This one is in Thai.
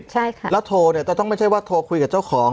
ใช่ค่ะแล้วโทรเนี่ยจะต้องไม่ใช่ว่าโทรคุยกับเจ้าของ